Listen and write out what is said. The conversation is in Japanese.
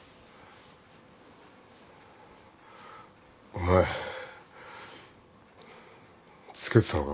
お前つけてたのか俺を。